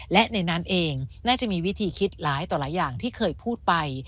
และในนั้นเองน่าจะมีวิธีคิดหลายต่อหลายอย่างที่เคยพูดไป